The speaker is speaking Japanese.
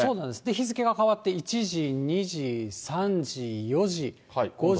日付が変わって１時、２時、３時、４時、５時。